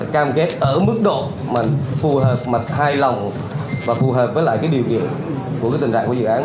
cam kết ở mức độ mà phù hợp mà hài lòng và phù hợp với lại cái điều kiện của cái tình trạng của dự án